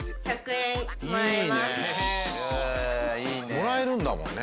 もらえるんだもんね。